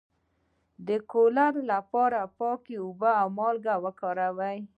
د کولرا لپاره پاکې اوبه او مالګه وکاروئ